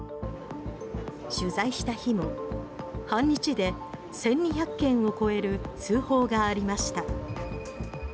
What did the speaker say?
取材した日も半日で１２００件を超える通報がありました。